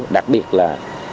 đặc biệt là